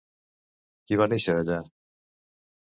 Qui va néixer allà?